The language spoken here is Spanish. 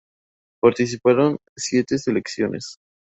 Participaron siete selecciones.